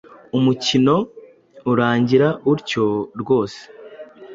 umukino urangira utyo rwose.